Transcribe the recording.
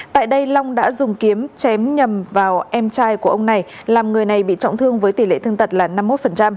tại đây long đã dùng kiếm chém nhầm vào em trai của ông này làm người này bị trọng thương với tỷ lệ thương tật là năm mươi một